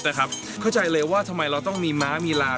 เข้าใจเลยว่าทำไมเราต้องมีม้ามีลา